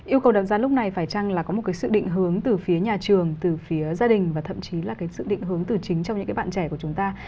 yêu cầu đặt ra lúc này phải chăng là có một cái sự định hướng từ phía nhà trường từ phía gia đình và thậm chí là cái sự định hướng từ chính trong những cái bạn trẻ của chúng ta